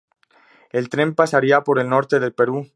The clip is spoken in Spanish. El tren pasaría por el norte del Perú.